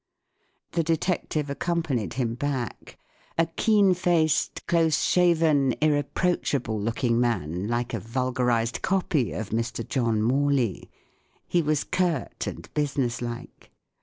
The detective accompanied him back—a keen faced, close shaven, irreproachable looking man, like a vulgarized copy of Mr. John Morley. He was curt and business¬ like.